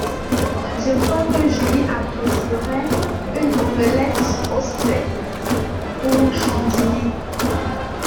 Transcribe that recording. Je crois que Julie apprécierait une omelette aux cèpes pour son dîner.